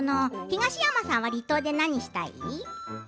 東山さんは離島で何をしたい？